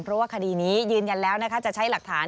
เพราะว่าคดีนี้ยืนยันแล้วนะคะจะใช้หลักฐาน